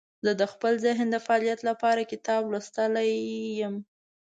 زه د خپل ذهن د فعالیت لپاره کتاب لوستلی یم.